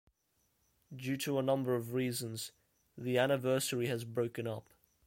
Due to a number of reasons, The Anniversary has broken up.